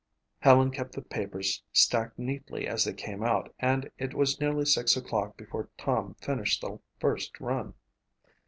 Helen kept the papers stacked neatly as they came out and it was nearly six o'clock before Tom finished the first run.